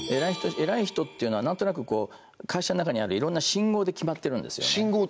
偉い人っていうのは何となく会社の中にあるいろんな信号で決まってるんですよね